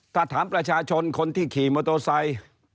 ถ้าถามประชาชนคนที่ขี่มอโตซัย